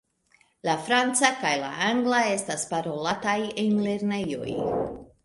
La franca kaj la angla estas parolataj en lernejoj.